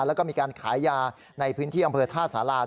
แล้วก็มีการขายยาในพื้นที่อำเภอท่าสารา